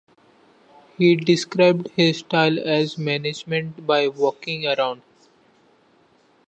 He described his style as management by walking around.